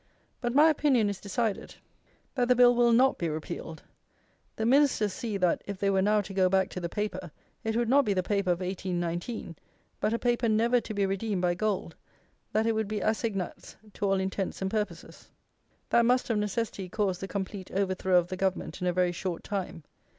But my opinion is decided, that the Bill will not be repealed. The Ministers see, that, if they were now to go back to the paper, it would not be the paper of 1819; but a paper never to be redeemed by gold; that it would be assignats to all intents and purposes. That must of necessity cause the complete overthrow of the Government in a very short time.